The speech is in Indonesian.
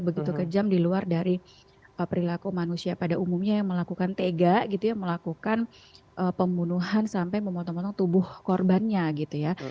begitu kejam di luar dari perilaku manusia pada umumnya yang melakukan tega gitu ya melakukan pembunuhan sampai memotong motong tubuh korbannya gitu ya